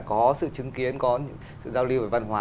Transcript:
có sự chứng kiến có những sự giao lưu về văn hóa